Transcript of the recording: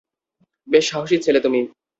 বেশ সাহসী ছেলে তুমি!